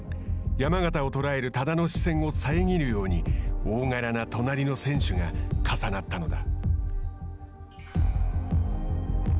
山縣を捉える多田の視線を遮るように大柄な隣の選手が重なったのだ。